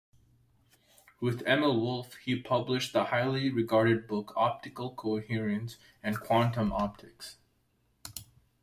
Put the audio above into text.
With Emil Wolf he published the highly regarded book Optical Coherence and Quantum Optics.